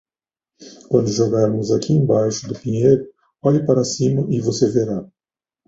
Quando jogarmos aqui embaixo do pinheiro, olhe para cima e você verá.